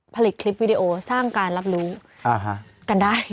ผลิตคลิปวิดีโอสร้างการรับรู้กันได้